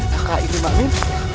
nah kak ini mbak min